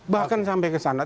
bahkan sampai ke sana